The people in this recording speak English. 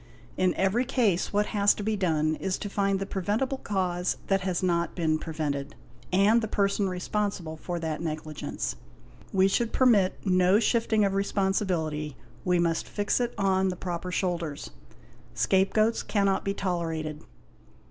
In every case what has to be done is to find the preventible cause that has not been prevented, and the person responsible for that negligence. We should permit no shifting of responsibility, we must fix it on the proper shoulders; scapegoats cannot be tolerated.